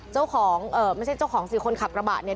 เอ่อไม่ใช่เจ้าของสิคนขับกระบะเนี่ย